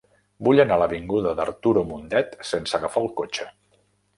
Vull anar a l'avinguda d'Arturo Mundet sense agafar el cotxe.